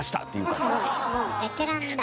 すごいもうベテランだ。